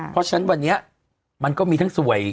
เพราะฉะนั้นวันนี้มันก็มีทั้งสวย